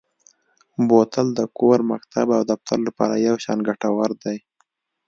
بوتل د کور، مکتب او دفتر لپاره یو شان ګټور دی.